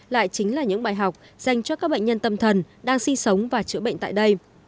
lại chính là những bài học dành cho các bệnh nhân tâm thần đang sinh sống và chữa bệnh tại đây